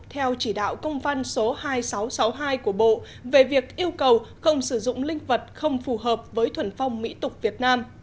theo chỉ đạo công văn số hai nghìn sáu trăm sáu mươi hai của bộ về việc yêu cầu không sử dụng linh vật không phù hợp với thuần phong mỹ tục việt nam